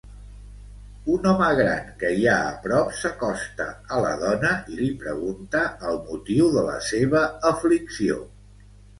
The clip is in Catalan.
Un home gran que hi ha a prop s'acosta a la dona i li pregunta el motiu de la seva aflicció.